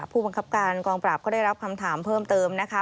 ผู้บังคับการกองปราบก็ได้รับคำถามเพิ่มเติมนะคะ